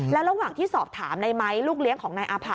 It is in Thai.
แล้วระหว่างที่สอบถามในไม้ลูกเลี้ยงของนายอาภา